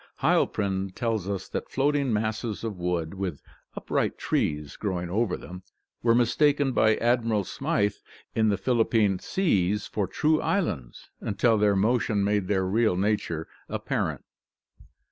Heil prin tells us that floating masses of wood, with upright trees grow ing over them, were mistaken by Admiral Smyth in the Philippine seas for true islands, until their motion made their real nature ap parent.